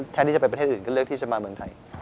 แทนที่จะไปประเทศอื่นก็เลือกที่จะมาเมืองไทย